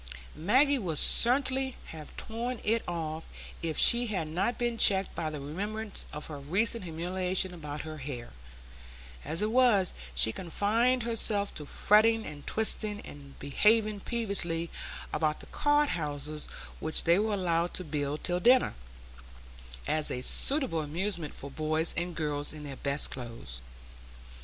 Maggie would certainly have torn it off, if she had not been checked by the remembrance of her recent humiliation about her hair; as it was, she confined herself to fretting and twisting, and behaving peevishly about the card houses which they were allowed to build till dinner, as a suitable amusement for boys and girls in their best clothes.